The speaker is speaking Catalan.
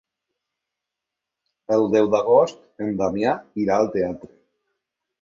El deu d'agost en Damià irà al teatre.